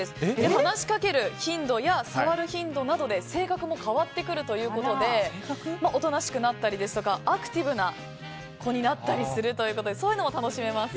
話しかける頻度や触る頻度で性格も変わってくるということでおとなしくなったりですとかアクティブな子になったりするということでそういうことも楽しめます。